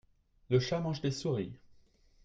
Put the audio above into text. le chat mange des souris.